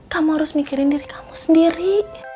kamu harus mikirin diri kamu sendiri